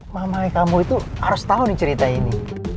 mamahnya kamu itu harus tahu nih cerita ini